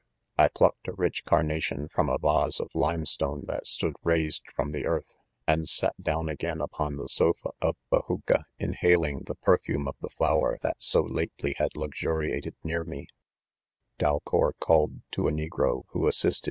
1 plucked a rich carnation from a vase of lime stone that stood. raised from the eaxth, and sat down again upon the sofa of bajuca, inhaling" the perfume o( the flower that so lately had jTixiiifiott,©'w. near in© DalcouT called to a negro who assisted.